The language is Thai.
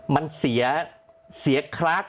มันเสียคลัส